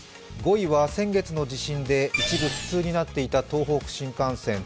５位は先月の地震で一部不通となっていた東北新幹線。